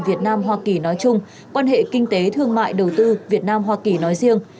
việt nam hoa kỳ nói chung quan hệ kinh tế thương mại đầu tư việt nam hoa kỳ nói riêng